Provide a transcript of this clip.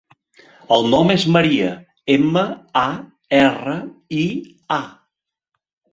El nom és Maria: ema, a, erra, i, a.